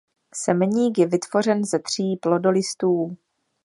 Semeník je vytvořen ze tří plodolistů.